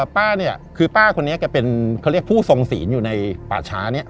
ป้าเนี่ยคือป้าคนนี้แกเป็นเขาเรียกผู้ทรงศีลอยู่ในป่าช้านี้